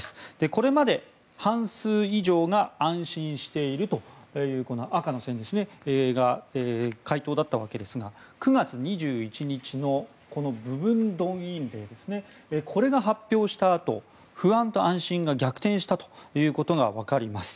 これまで半数以上が安心しているという赤の線が回答だったわけですが９月２１日部分動員令を発表したあと不安と安心が逆転したということが分かります。